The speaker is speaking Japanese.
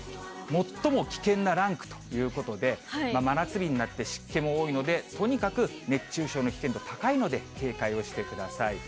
最も危険なランクということで、真夏日になって、湿気も多いので、とにかく熱中症の危険度高いので、警戒をしてください。